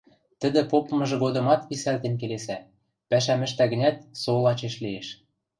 Тӹдӹ попымыжы годымат висӓлтен келесӓ, пӓшӓм ӹштӓ гӹнят, со лачеш лиэш.